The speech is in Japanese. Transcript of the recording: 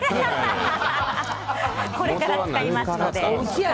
これから使いますので。